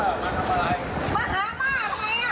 มันไม่เปิดใช่มั้ย